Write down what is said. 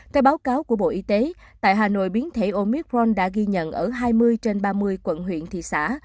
theo báo cáo của bộ y tế tại hà nội biến thể omicron đã ghi nhận ở hai mươi trên ba mươi quận huyện thị xã